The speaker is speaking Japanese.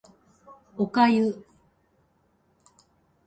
お粥